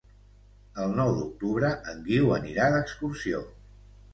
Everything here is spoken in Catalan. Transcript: El nou d'octubre en Guiu anirà d'excursió.